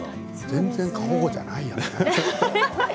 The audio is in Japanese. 全然過保護じゃないやん。